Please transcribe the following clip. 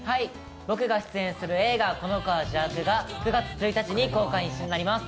僕が出演する映画「この子は邪悪」が９月１日に公開になります。